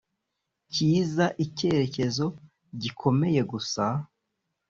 kiza icyerekezo gikomeye gusa